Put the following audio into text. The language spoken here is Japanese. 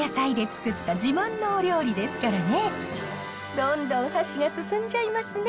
どんどん箸が進んじゃいますね。